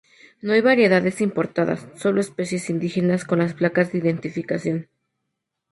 No hay variedades importadas, sólo especies indígenas con las placas de identificación.